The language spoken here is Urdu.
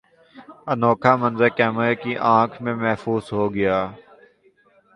انوکھا منظر کیمرے کی آنکھ میں محفوظ ہوگیا